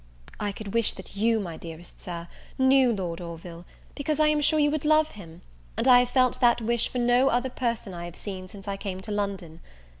I could wish that you, my dearest Sir, knew Lord Orville, because I am sure you would love him; and I have felt that wish for no other person I have seen since I came to London.